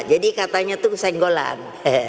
jadi katanya itu senggolan